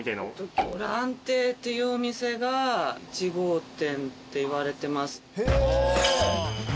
魚藍亭っていうお店が。っていわれてます。